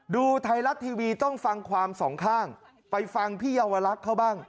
ดูไทยรัฐทีวีต้องฟังความสองข้างไปฟังพี่เยาวลักษณ์เขาบ้าง